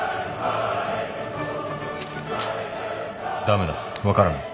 ダメだ。分からない。